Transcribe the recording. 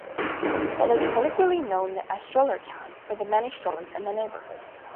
It is colloquially known as Stroller Town, for the many strollers in the neighborhood.